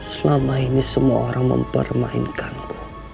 selama ini semua orang mempermainkan aku